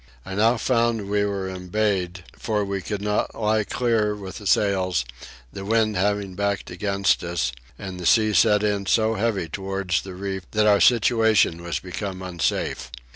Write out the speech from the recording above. I now found we were embayed for we could not lie clear with the sails, the wind having backed against us; and the sea set in so heavy towards the reef that our situation was become unsafe.